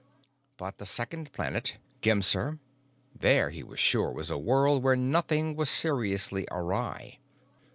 But the second planet, Gemser—there, he was sure, was a world where nothing was seriously awry.